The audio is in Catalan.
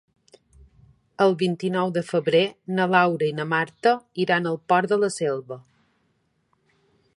El vint-i-nou de febrer na Laura i na Marta iran al Port de la Selva.